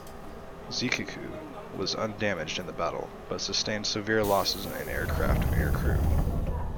"Zuikaku" was undamaged in the battle, but sustained severe losses in aircraft and aircrew.